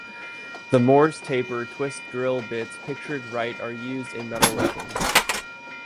The Morse taper twist drill bits pictured right are used in metalworking.